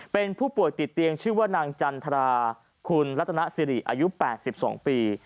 เป็นผู้ป่วยติดเตียงชื่อว่านางจันทราคุณรัตนสิริอายุ๘๒ปี